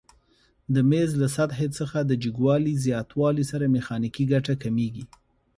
د میز له سطحې څخه د جګوالي زیاتوالي سره میخانیکي ګټه کمیږي؟